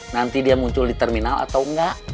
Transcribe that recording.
nanti dia muncul di terminal atau enggak